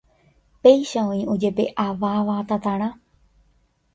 Péicha oĩ ojepe'aváva tatarã